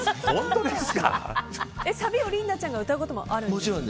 サビをリンダちゃんが歌うこともあるんですよね。